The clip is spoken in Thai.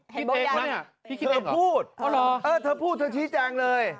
เธอพูดเธอพูดเธอชี้แจงเลย